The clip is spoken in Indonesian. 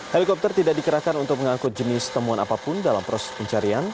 helikopter tidak dikerahkan untuk mengangkut jenis temuan apapun dalam proses pencarian